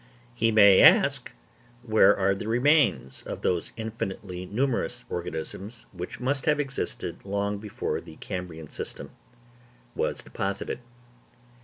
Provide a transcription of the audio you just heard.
He may ask where are the remains of those infinitely numerous organisms which must have existed long before the Cambrian system was deposited?